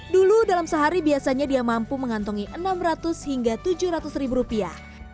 dulu dalam sehari biasanya dia mampu mengantongi enam ratus hingga tujuh ratus ribu rupiah